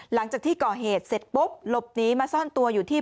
หลังจากที่ก่อเหตุเสร็จปุ๊บหลบหนีมาซ่อนตัวอยู่ที่